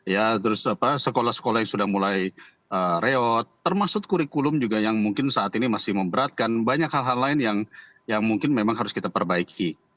ya terus apa sekolah sekolah yang sudah mulai reot termasuk kurikulum juga yang mungkin saat ini masih memberatkan banyak hal hal lain yang mungkin memang harus kita perbaiki